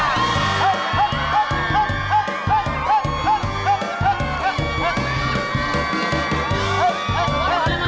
เร็ว